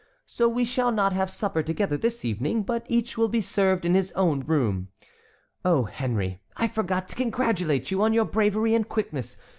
So we shall not have supper together this evening, but each will be served in his own room. Oh, Henry, I forgot to congratulate you on your bravery and quickness.